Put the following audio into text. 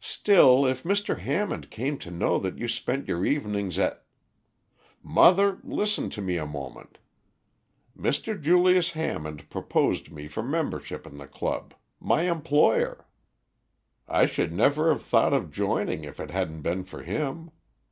"Still if Mr. Hammond came to know that you spent your evenings at " "Mother, listen to me a moment. Mr. Julius Hammond proposed me for membership in the club my employer! I should never have thought of joining if it hadn't been for him.